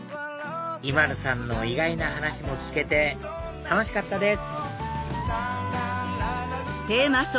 ＩＭＡＬＵさんの意外な話も聞けて楽しかったです